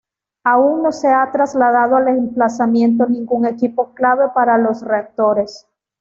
Aún no se ha trasladado al emplazamiento ningún equipo clave para los reactores.